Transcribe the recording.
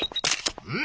うん？